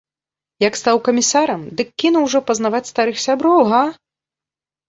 Як стаў камісарам, дык кінуў ужо пазнаваць старых сяброў, га?